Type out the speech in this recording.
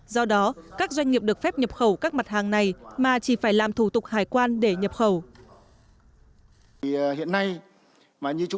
do đó các doanh nghiệp được phép nhập khẩu các mặt hàng này mà chỉ phải làm thủ tục hải quan để nhập khẩu